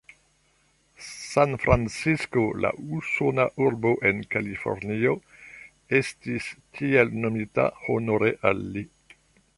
Sanfrancisko, la usona urbo en Kalifornio, estis tiel nomita honore al li.